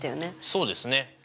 そうですね。